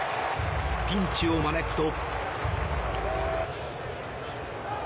ピンチを招くと。